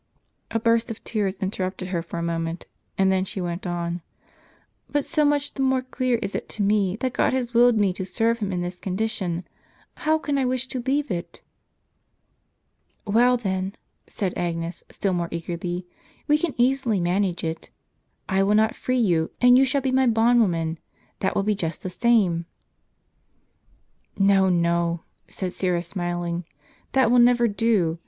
A burst of tears interrupted her for a moment, and then she went on. "But so much the more clear is it to me, that God has willed me to serve Him in this condition. How can I wish to leave it? " "Well then," said Agnes, still more eagerly, "we can easily manage it. I will not free you, and you shall be my bondwoman. That will be just the same." "No, no," said Syra, smiling, "that will never do.